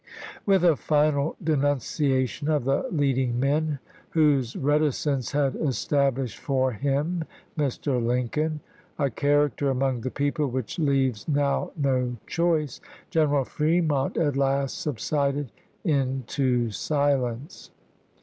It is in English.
With a final denunciation of the leading men phSm, whose reticence had " established for him [Mr. Lin oftheyf> coin] a character among the people which leaves pp. 426, 42V. now no choice," General Fremont at last subsided sept. 2i. into silence.